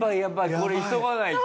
これ急がないと。